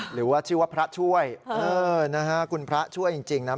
หรือว่าชื่อว่าพระช่วยนะฮะคุณพระช่วยจริงนะ